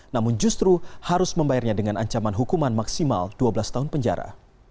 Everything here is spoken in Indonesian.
namun justru harus membayarnya dengan ancaman hukuman maksimal dua belas tahun penjara